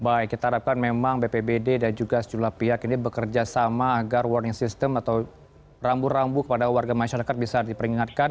baik kita harapkan memang bpbd dan juga sejumlah pihak ini bekerja sama agar warning system atau rambu rambu kepada warga masyarakat bisa diperingatkan